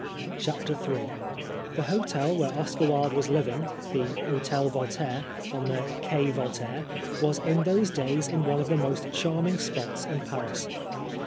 24 Ill THE hotel where Oscar Wilde was living, the Hotel Voltaire, on the Quai Voltaire, was in those days in one of the most charming spots in Paris.